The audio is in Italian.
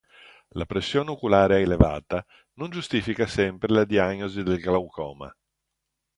La pressione oculare elevata non giustifica sempre la diagnosi del glaucoma.